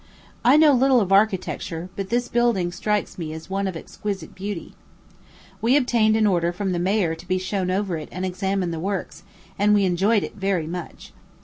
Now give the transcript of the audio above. I know little of architecture, but this building strikes me as one of exquisite beauty. We obtained an order from the mayor to be shown over it and examine the works, and we enjoyed it very much.